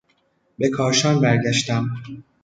به کاشان برگشتم.